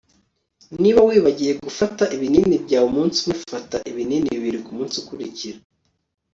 Niba wibagiwe gufata ibinini byawe umunsi umwe fata ibinini bibiri kumunsi ukurikira